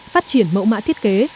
phát triển mẫu mã thiết kế